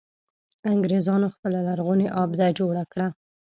انګرېزانو خپله لرغونې آبده جوړه کړه.